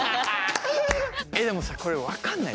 でもさこれ分かんない？